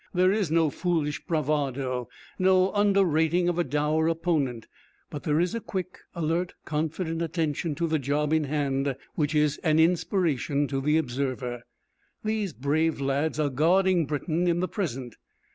There is no foolish bravado, no under rating of a dour opponent, but there is a quick, alert, confident attention to the job in hand which is an inspiration to the observer. These brave lads are guarding Britain in the present.